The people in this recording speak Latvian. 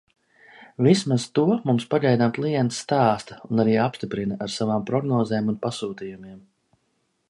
Vismaz to mums pagaidām klienti stāsta un arī apstiprina ar savām prognozēm un pasūtījumiem.